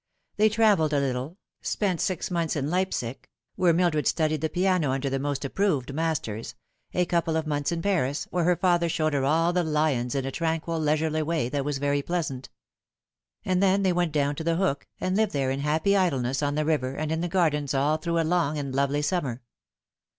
They travelled a little, spent six months in Leipsic, where Mildred studied the piano under the most approved masters, a couple of months in Paris, where her father showed her all the lions in a tranquil, leisurely way that was very pleasant ; and then they went down to The Hook, and lived there in happy idleness on the river and in the gardens all through a long and lovely Bummer.